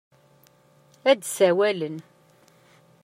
Ad d-sawalen.